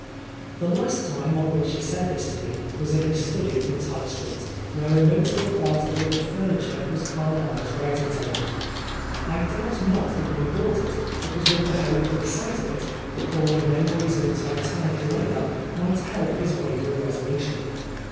The last time on which he said this to me was in his study in Tite Street, where a notable article of furniture was Carlyle's writing table. I doubt not that when he bought it, it was with the hope that the sight of it, recalling memories of Titanic labour, might help his wavering 28 Oscar Wilde resolution.